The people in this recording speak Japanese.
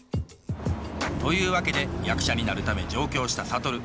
というわけで役者になるため上京した諭。